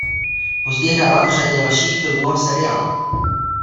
Později hrála v řadě dalších filmů a seriálů.